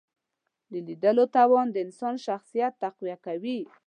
د لیدلو توان د انسان شخصیت تقویه کوي